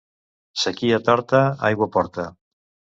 Séquia torta, aigua porta.